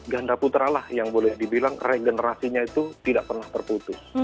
ganda putra lah yang boleh dibilang regenerasinya itu tidak pernah terputus